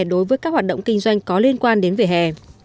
đối với các hoạt động kinh doanh có liên quan đến vỉa hè